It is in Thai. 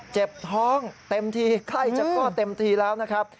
เจ็บท้องเต็มทีใกล้จะคลอดเต็มทีแล้วนะครับ